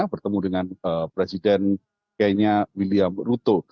bertemu dengan presiden kenya william ruto